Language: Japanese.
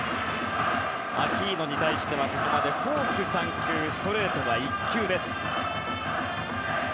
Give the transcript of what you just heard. アキーノに対してはここまでフォーク３球ストレート、１球。